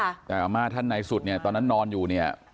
แต่อาม่าท่านในสุดเนี่ยตอนนั้นนอนอยู่เนี่ย